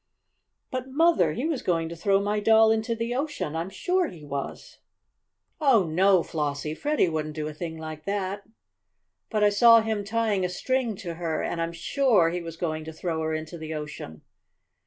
"But, Mother! he was going to throw my doll into the ocean, I'm sure he was." "Oh, no, Flossie! Freddie wouldn't do a thing like that!" "But I saw him tying a string to her, and I'm sure he was going to throw her into the ocean."